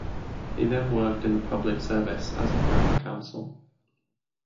He then worked in the public service as a Crown Counsel.